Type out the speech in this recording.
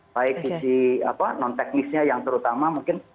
baik di apa non teknisnya yang terutama mungkin